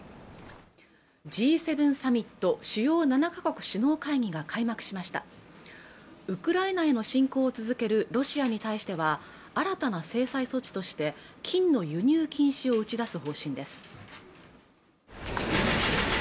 Ｇ７サミット＝主要７か国首脳会議が開幕しましたウクライナへの侵攻を続けるロシアに対しては新たな制裁措置として金の輸入禁止を打ち出す方針です